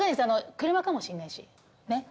車かもしれないしねっ。